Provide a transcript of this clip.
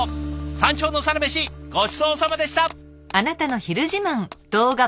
山頂のサラメシごちそうさまでした！